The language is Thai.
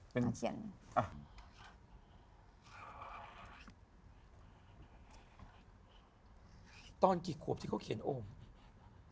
ต้อนกี่ขวบที่เขาเขียนโอม